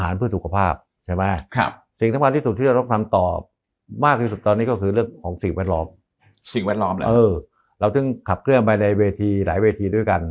เราต้องขับเคลื่อนไปในหลายเวทีด้วยกัน